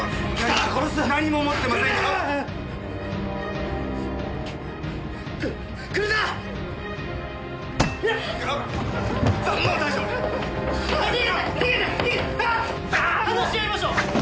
ああっ！話し合いましょう！